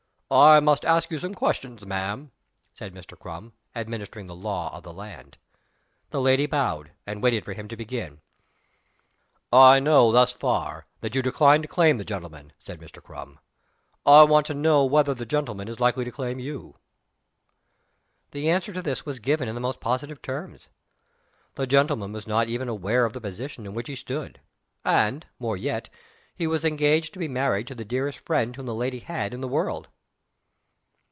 "I must ask you some questions, ma'am," said Mr. Crum administering the law of the land. The lady bowed, and waited for him to begin. "I know, thus far, that you decline to claim the gentleman," said Mr. Cram. "I want to know now whether the gentleman is likely to claim you." The answer to this was given in the most positive terms. The gentleman was not even aware of the position in which he stood. And, more yet, he was engaged to be married to the dearest friend whom the lady had in the world.